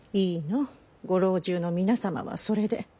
ご老中の皆様はそれで。